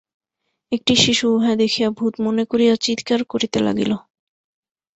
একটি শিশু উহা দেখিয়া ভূত মনে করিয়া চীৎকার করিতে লাগিল।